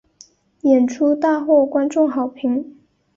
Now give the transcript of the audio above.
演出大获观众好评。